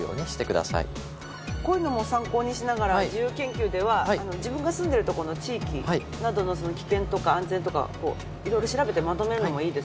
こういうのも参考にしながら自由研究では自分が住んでるとこの地域などの危険とか安全とかを色々調べてまとめるのもいいですね。